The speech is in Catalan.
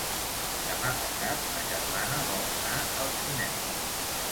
Demà passat ma germana vol anar al cinema.